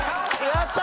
やった！